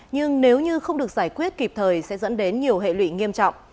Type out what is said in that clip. nhưng nếu như không được giải quyết kịp thời sẽ dẫn đến nhiều hệ lụy nghiêm trọng